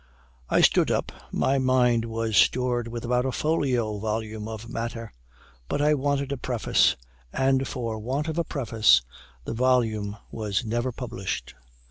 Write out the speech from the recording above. I stood up; my mind was stored with about a folio volume of matter; but I wanted a preface, and for want of a preface, the volume was never published.